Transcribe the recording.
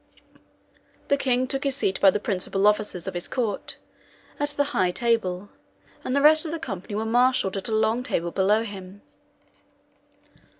The king took his seat attended by the principal officers of his court, at the high table, and the rest of the company were marshalled at a long table below him.